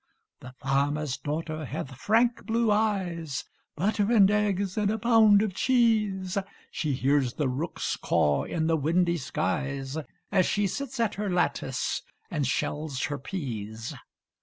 The farmer's daughter hath frank blue eyes; (Butter and eggs and a pound of cheese) She hears the rooks caw in the windy skies, As she sits at her lattice and shells her peas.